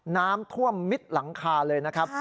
น้ำท่วมมิดหลังคาเลยนะครับ